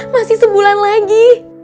masih sebulan lagi